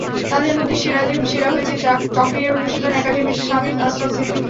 তাদের মধ্যে সেরাদের সেরা হয়েছে চকরিয়ার অনুশীলন একাডেমির শামীম আশ্রাফ ছিদ্দিকী।